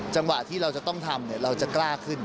จังหวะที่เราจะต้องทำเราจะกล้าขึ้น